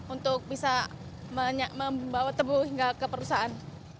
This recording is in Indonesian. untuk bisa membawa tebu hingga ke perusahaan